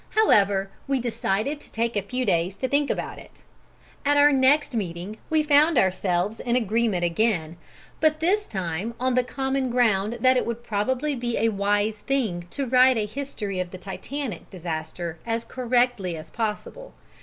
However, we decided to take a few days to think about it. At our next meeting we found ourselves in agreement again, but this time on the common ground that it would probably be a wise thing to write a history of the Titanic disaster as correctly as possible.